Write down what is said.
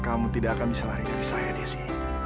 kamu tidak akan bisa lari dari saya desi